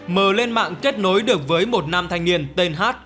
m lên mạng kết nối được với một nam thanh niên tên hát